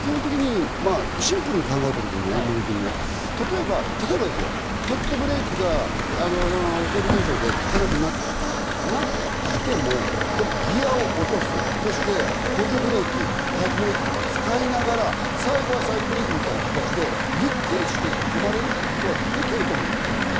シンプルに考えたときに、例えばフットブレーキがフェード現象で利かなくなったとしますよ、なったとしてもギアを落とす、そして補助ブレーキ、排気ブレーキとか使いながら最後はサイドブレーキみたいな感じで、ゆっくりしていて止まれるみたいなことができると思うんですよ。